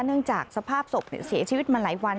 เนื่องจากสภาพศพเสียชีวิตมาหลายวัน